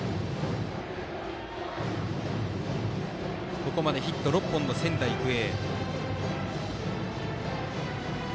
ここまでヒット６本の仙台育英。